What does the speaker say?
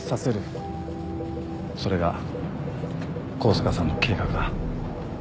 それが香坂さんの計画だ。